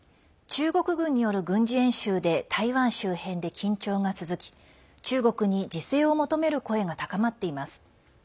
中国軍による軍事演習で台湾周辺で緊張が続き中国に自制を求める声が高まっています。